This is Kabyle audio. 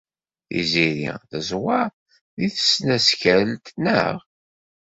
Tiziri teẓwer deg tseknakalt, naɣ?